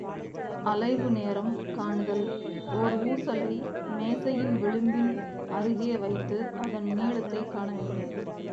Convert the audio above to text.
அலைவு நேரம் காணுதல் ஓர் ஊசலை மேசையின் விளிம்பின் அருகே வைத்து அதன் நீளத்தைக் காண வேண்டும்.